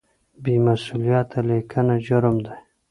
بې مسؤلیته لیکنه جرم دی.